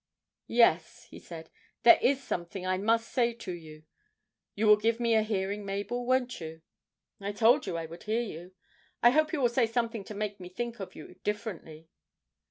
'Yes,' he said, 'there is something I must say to you you will give me a hearing, Mabel, won't you?' 'I told you I would hear you. I hope you will say something to make me think of you differently.'